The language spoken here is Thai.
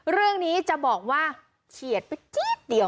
เรื่องนี้จะบอกว่าเฉียดไปเจี๊ยบเดียว